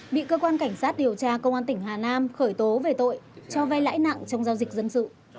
bị cơ quan cảnh sát điều tra công an tỉnh hà nam khởi tố về tội cho vay lãi nặng trong giao dịch dân sự